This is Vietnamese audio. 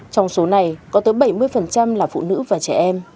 trong số này có tới bảy mươi là phụ nữ và trẻ em